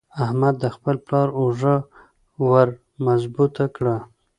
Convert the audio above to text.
احمد د خپل پلار اوږه ور مضبوطه کړه.